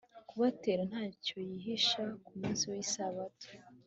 kubatera nta cyo yishisha ku munsi w'isabato